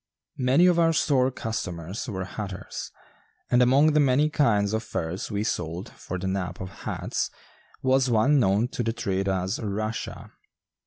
Many of our store customers were hatters, and among the many kinds of furs we sold for the nap of hats was one known to the trade as "Russia."